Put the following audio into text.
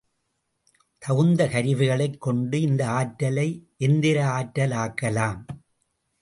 தகுந்த கருவிகளைக் கொண்டு இந்த ஆற்றலை எந்திரஆற்றலாக்கலாம்.